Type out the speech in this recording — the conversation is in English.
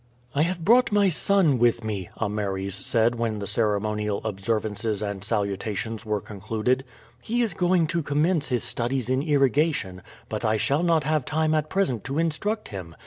"I have brought my son with me," Ameres said when the ceremonial observances and salutations were concluded. "He is going to commence his studies in irrigation, but I shall not have time at present to instruct him.